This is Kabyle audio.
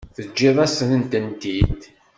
Teǧǧiḍ-asent-tent-id.